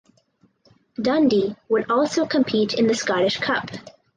Dundee would also compete in the Scottish Cup.